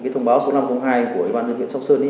thông báo số năm trăm linh hai của ủy ban nhân dân xã bắc sơn